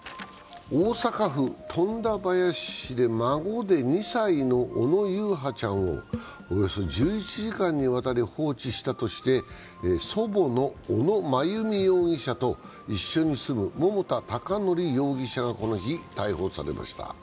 大阪府富田林市で孫で２歳の小野優陽ちゃんをおよそ１１時間にわたり放置したとして、祖母の小野真由美容疑者と一緒に住む桃田貴徳容疑者がこの日、逮捕されました。